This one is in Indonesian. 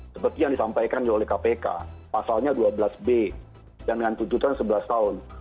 seperti yang disampaikan oleh kpk pasalnya dua belas b dan dengan tuntutan sebelas tahun